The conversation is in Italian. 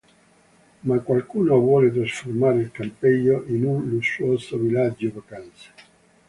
Ma qualcuno vuole trasformare il campeggio in una lussuoso villaggio vacanze.